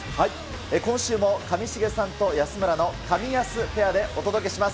今週も上重さんと安村のカミヤスペアでお届けします。